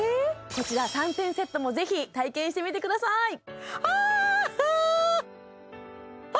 こちら３点セットもぜひ体験してみてください